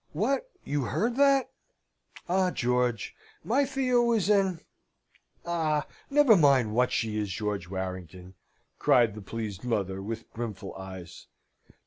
"What, you heard that? Ah, George! my Theo is an Ah! never mind what she is, George Warrington," cried the pleased mother, with brimful eyes.